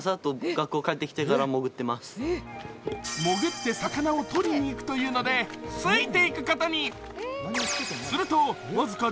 潜って魚をとりにいくというのでついていくことに。